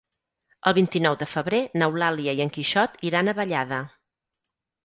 El vint-i-nou de febrer n'Eulàlia i en Quixot iran a Vallada.